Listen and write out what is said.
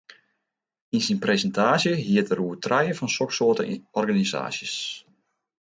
Yn syn presintaasje hie er it oer trije fan soksoarte organisaasjes.